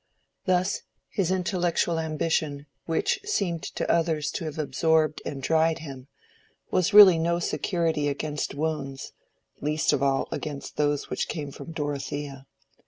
Thus his intellectual ambition which seemed to others to have absorbed and dried him, was really no security against wounds, least of all against those which came from Dorothea.